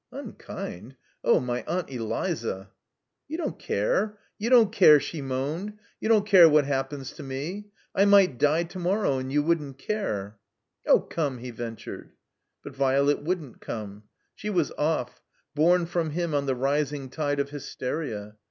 ''Unkind! Oh, my Aunt EKza!" "You don't care. You don't care," she moaned. "You don't care what happens to me. I might die to morrow, and you wouldn't care." "Oh, come —" he ventured. But Violet wouldn't come. She was oflf, borne from him on the rising tide of hysteria.